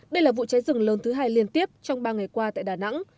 đây là vụ cháy rừng lớn thứ hai liên tiếp trong ba ngày qua tại đà nẵng